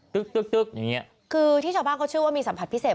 ตึ๊กตึ๊กอย่างเงี้ยคือที่ชาวบ้านเขาเชื่อว่ามีสัมผัสพิเศษ